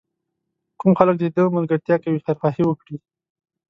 کوم خلک د ده ملګرتیا کوي خیرخواهي وکړي.